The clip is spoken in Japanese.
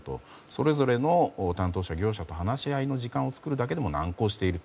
それぞれの担当者業者と話し合いの時間を作るだけでも難航している。